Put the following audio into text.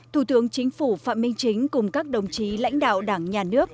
thủ tướng chính phủ phạm minh chính cùng các đồng chí lãnh đạo đảng nhà nước